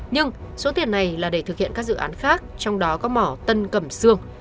nhưng số tiền này là để thực hiện các dự án khác trong đó có mỏ tân cẩm sương